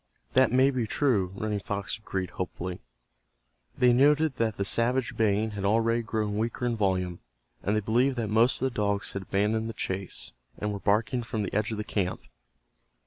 "That may be true," Running Fox agreed, hopefully. They noted that the savage baying had already grown weaker in volume, and they believed that most of the dogs had abandoned the chase, and were barking from the edge of the camp.